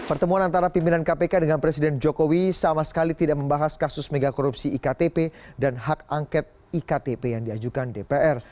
pertemuan antara pimpinan kpk dengan presiden jokowi sama sekali tidak membahas kasus megakorupsi iktp dan hak angket iktp yang diajukan dpr